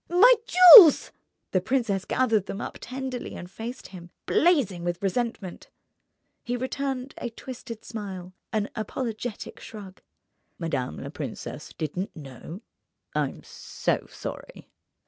"My jewels!" The princess gathered them up tenderly and faced him, blazing with resentment. He returned a twisted smile, an apologetic shrug. "Madame la princesse didn't know? I'm so sorry."